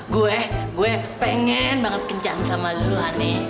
gue gue pengen banget kencan sama lo ane